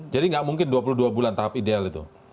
jadi nggak mungkin dua puluh dua bulan tahap ideal itu